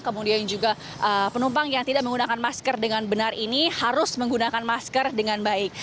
kemudian juga penumpang yang tidak menggunakan masker dengan benar ini harus menggunakan masker dengan baik